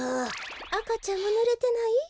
あかちゃんはぬれてない？